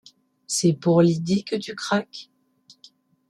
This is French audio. C’est pour Lydie que tu craques?